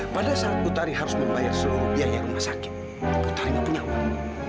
pada saat putari harus membayar seluruh biaya rumah sakit putari nggak punya uang